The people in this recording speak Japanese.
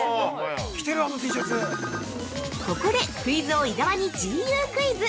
◆ここで、クイズ王・伊沢にＧＵクイズ。